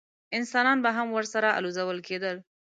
انسانان به هم ورسره الوزول کېدل.